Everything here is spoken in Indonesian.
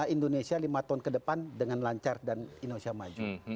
indonesia lima tahun ke depan dengan lancar dan indonesia maju